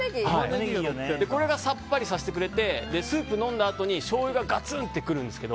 これがサッパリさせてくれてスープを飲んだあとにしょうゆがガツンと来るんですけど。